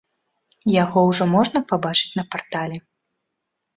Яго ужо можна пабачыць на партале.